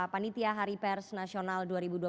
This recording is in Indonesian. panitia hari pers nasional